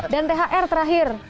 dan thr terakhir